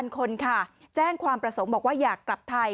คนค่ะแจ้งความประสงค์บอกว่าอยากกลับไทย